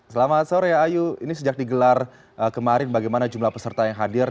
selamat sore ayu ini sejak digelar kemarin bagaimana jumlah peserta yang hadir